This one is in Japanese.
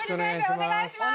お願いしまー